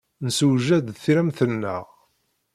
Nessewjed-d tiremt-nneɣ.